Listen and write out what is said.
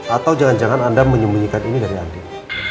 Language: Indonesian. atau jangan jangan anda menyembunyikan ini dari andi